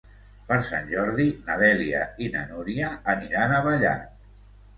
Per Sant Jordi na Dèlia i na Núria aniran a Vallat.